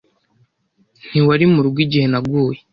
Ntiwari murugo igihe naguye.